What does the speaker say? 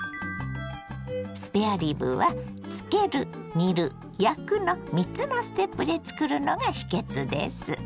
スペアリブは「漬ける」「煮る」「焼く」の３つのステップで作るのが秘けつです。